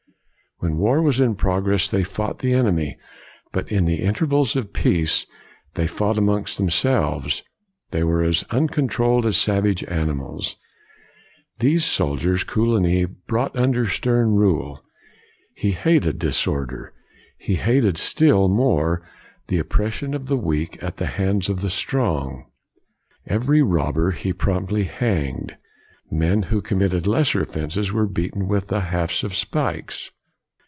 When war was in progress they fought the enemy, but in the intervals of peace they fought among themselves. They were as uncon trolled as savage animals. These soldiers Coligny brought under stern rule. He hated disorder. He hated still more the oppression of the weak at the hands of the strong. Every robber, he promptly hanged. Men who committed lesser of fenses were beaten with the hafts of pikes.